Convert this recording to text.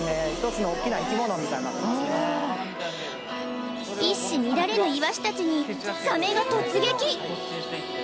１つの大きな生き物みたいになってますね一糸乱れぬイワシたちにサメが突撃！